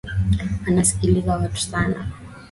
Anasikiliza watu sana